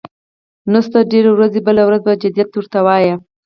نستوه ډېر ورځي، بله ورځ پهٔ جدیت ور ته وايي: